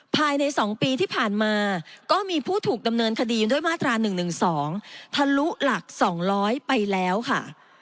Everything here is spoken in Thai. ภายใน๒ปีที่ผ่านมาก็มีผู้ถูกดำเนินคดีด้วยมาตรา๑๑๒ทะลุหลัก๒๐๐ไปแล้วค่ะ